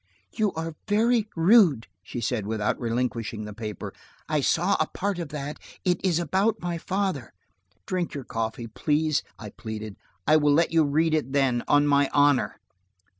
"You are very rude," she said without relinquishing the paper. "I saw a part of that; it is about my father!" "Drink your coffee, please," I pleaded. "I will let you read it then. On my honor."